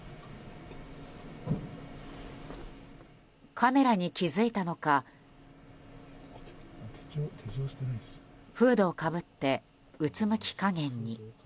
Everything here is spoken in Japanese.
カメラに気づいたのかフードをかぶってうつむき加減に。